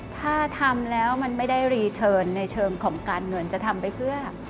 ถ้าทำแล้วมันไม่ได้รีเทิร์นในเชิงของการเงินจะทำไปเพื่อ